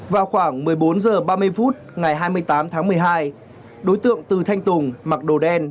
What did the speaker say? vào khoảng một mươi bốn h ba mươi phút ngày hai mươi tám tháng một mươi hai đối tượng từ thanh tùng mặc đồ đen